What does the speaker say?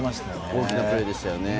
大きなプレーでしたね。